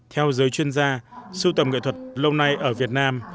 theo giới chuyên gia sưu tầm nghệ thuật lâu nay ở việt nam